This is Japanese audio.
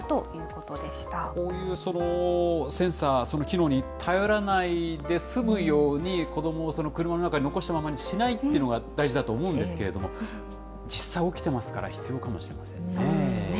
こういうセンサー、機能に頼らないで済むように、子どもを車の中に残したままにしないっていうのが、大事だと思うんですけれども、実際、起きてますそうですね。